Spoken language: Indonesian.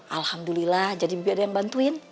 alhamdulillah jadi bibi ada yang bantuin